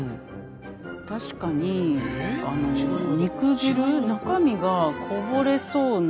確かに肉汁中身がこぼれそうな。